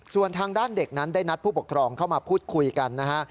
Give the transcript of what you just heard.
ส่วนทางด้านเด็กนั้นได้นัดผู้ปกครองเข้ามาพูดคุยกันนะฮะ